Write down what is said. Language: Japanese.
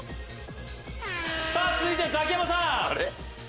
続いてザキヤマさん。